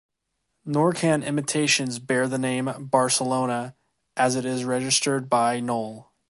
Nor can imitations bear the name “Barcelona”, as it is registered by Knoll.